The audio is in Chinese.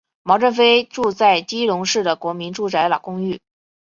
毛振飞住在基隆市的国民住宅老公寓。